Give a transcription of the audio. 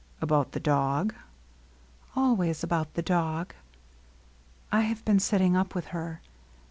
"About the dog?" " Always about the dog. I have been sitting up with her.